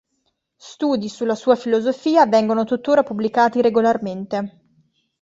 Studi sulla sua filosofia vengono tuttora pubblicati regolarmente.